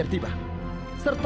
perahu yang belum tiba